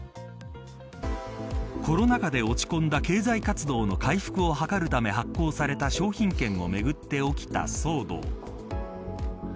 コロナ禍で落ち込んだ経済活動の回復を図るため発行された商品券をめぐって起きた騒動。